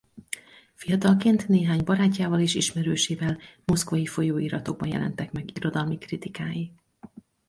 Fiatalként néhány barátjával és ismerősével moszkvai folyóiratokban jelentek meg irodalmi kritikái.